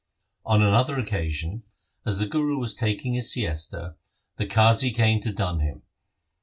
On another occasion, as the Guru was taking his siesta, the Qazi came to dun him.